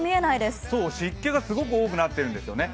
湿気がすごく多くなっているんですよね。